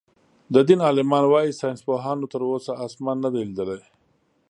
د دين عالمان وايي ساينسپوهانو تر اوسه آسمان نۀ دئ ليدلی.